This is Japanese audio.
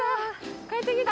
帰ってきた。